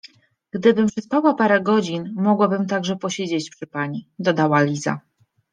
— Gdybym przespała parę godzin, mogłabym także posiedzieć przy pani — dodała Liza.